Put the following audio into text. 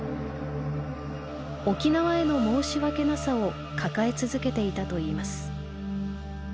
沖縄への申し訳なさを抱え続けていたといいます。